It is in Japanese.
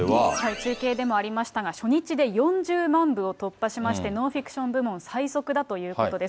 中継でもありましたが、初日で４０万部を突破しまして、ノンフィクション部門最速だということです。